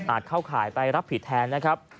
เข้าข่ายไปรับผิดแทนนะครับ